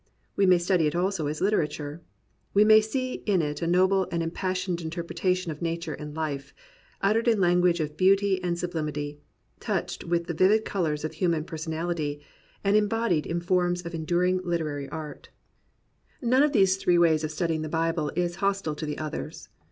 We may study it also as literature. We may see in it a noble and impassioned interpretation of na ture and life, uttered in language of beauty and sub limity, touched with the vivid colours of human per sonality, and embodied in forms of enduring Hterary art. 35 COMPANIONABLE BOOKS None of these three ways of studying the Bible is hostile to the others.